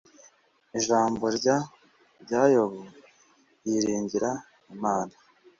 Ijambo rya rya Yobu yiringira Imana